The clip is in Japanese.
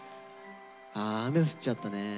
あ雨降っちゃったね。